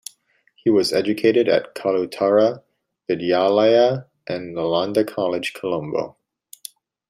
He was educated at Kalutara Vidyalaya and Nalanda College Colombo.